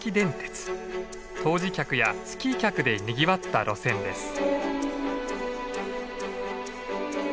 湯治客やスキー客でにぎわった路線です。